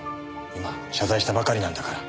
今謝罪したばかりなんだから。